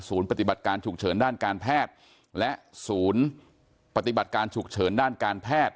ปฏิบัติการฉุกเฉินด้านการแพทย์และศูนย์ปฏิบัติการฉุกเฉินด้านการแพทย์